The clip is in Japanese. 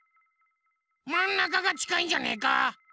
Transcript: まんなかがちかいんじゃねえか？